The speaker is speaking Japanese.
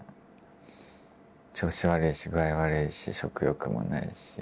調子悪いし具合悪いし食欲もないし。